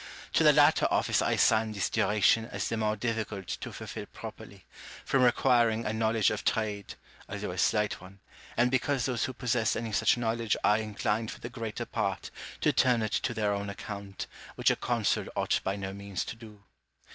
To the latter ofiice I assign this duration as the more difficult to fulfil properly, from requiring a knowledge of trade, although a slight one, and because those ■who possess any such knowledge are inclined for the greater part to turn it to their own account, which a consul ought by no means to do.